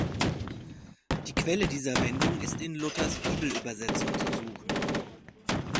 Die Quelle dieser Wendung ist in Luthers Bibelübersetzung zu suchen.